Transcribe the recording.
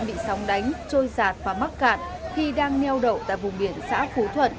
bị sóng đánh trôi sạt và mắc cạn khi đang nheo đậu tại vùng biển xã phú thuận